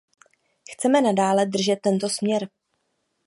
Chceme nadále držet tento směr.